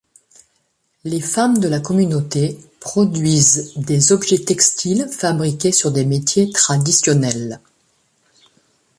Les femmes de la communauté produisent des objets textiles fabriqués sur des métiers traditionnels.